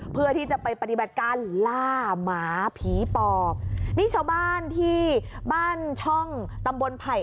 เพื่อที่จะไปปฏิบัติการล่าหมาผีปอบนี่ชาวบ้านที่บ้านช่องตำบลไผ่